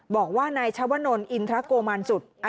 บอกว่านายชาวนนท์อินทรกโกมันสุทธิ์